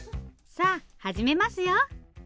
さあ始めますよ。